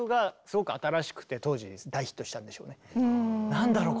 「何だろう？